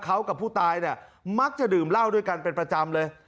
เขากับผู้ตายเนี่ยมักจะดื่มเหล้าด้วยกันเป็นประจำเลย